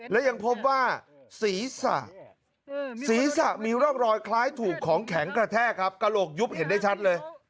และยังพบว่าศีรษะศีรษะมีร่องรอยคล้ายถูกของแข็งกระแทกครับกระโหลกยุบเห็นได้ชัดเลย